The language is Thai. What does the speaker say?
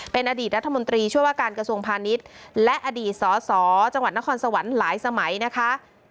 เป็นอดีตรัฐมนตรีช่วยว่าการกระทรวงพาณิชย์และอดีตสสจังหวัดนครสวรรค์หลายสมัยนะคะ